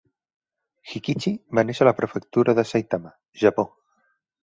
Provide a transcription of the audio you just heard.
Hikichi va néixer a la Prefectura de Saitama, Japó.